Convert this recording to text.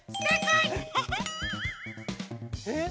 えっ。